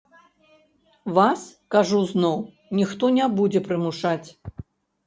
Вас, кажу зноў, ніхто не будзе прымушаць.